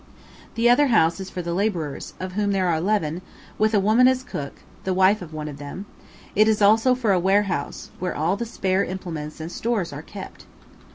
The other house is for the labourers, of whom there are eleven, with a woman as cook, the wife of one of them; it is also for a warehouse, where all the spare implements and stores are kept.